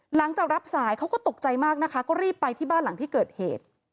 หลังจากรับสายเขาก็ตกใจมากนะคะก็รีบไปที่บ้านหลังที่เกิดเหตุ